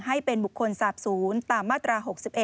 ให้เป็นบุคคลสาบศูนย์ตามมาตรา๖๑